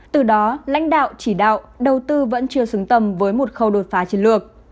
từ đó lãnh đạo chỉ đạo đầu tư vẫn chưa xứng tầm với một khâu đột phá chiến lược